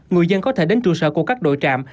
người dân có thể đến trụ sở của các đội trạm